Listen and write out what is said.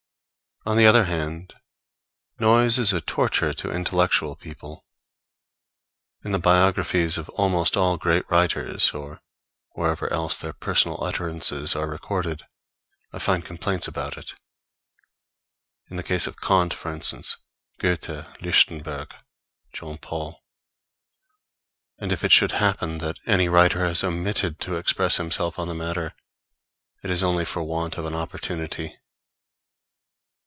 On the other hand, noise is a torture to intellectual people. In the biographies of almost all great writers, or wherever else their personal utterances are recorded, I find complaints about it; in the case of Kant, for instance, Goethe, Lichtenberg, Jean Paul; and if it should happen that any writer has omitted to express himself on the matter, it is only for want of an opportunity.